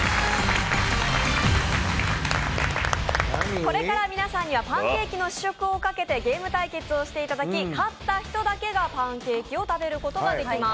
これから皆さんにはパンケーキの試食をかけて、ゲーム対決をしていただき、勝った人だけがパンケーキを食べることができます。